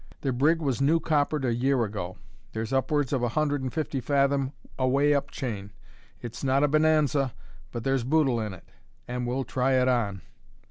The brig was new coppered a year ago. There's upwards of a hundred and fifty fathom away up chain. It's not a bonanza, but there's boodle in it; and we'll try it on."